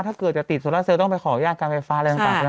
ถ้าเกิดจะติดโซลาเซลต้องไปขออนุญาตการไฟฟ้าอะไรต่างใช่ไหม